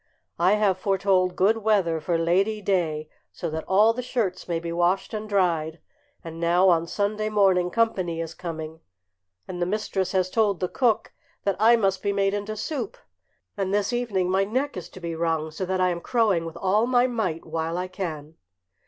"I have foretold good weather for Lady day, so that all the shirts may be washed and dried; and now on Sunday morning company is coming, and the mistress has told the cook that I must be made into soup, and this evening my neck is to be wrung, so that I am crowing with all my might while I can."